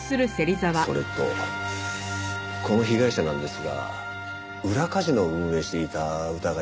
それとこの被害者なんですが裏カジノを運営していた疑いでマークされてたみたいですね。